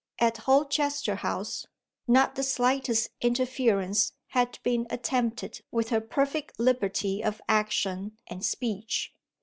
At Holchester House, not the slightest interference had been attempted with her perfect liberty of action and speech.